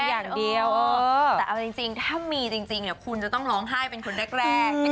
แต่เอาจริงถ้ามีจริงคนจะต้องร้องไห้เป็นคนแรก